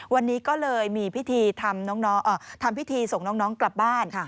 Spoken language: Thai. วันนี้ก็เลยมีพิธีทำพิธีส่งน้องกลับบ้าน